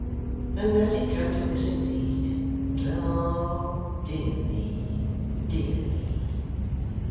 And has it come to this, indeed! Ah dear me, dear me!